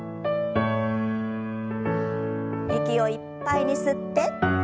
息をいっぱいに吸って。